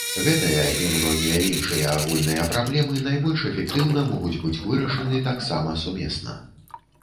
Гэтая і многія іншыя агульныя праблемы найбольш эфектыўна могуць быць вырашаны таксама сумесна.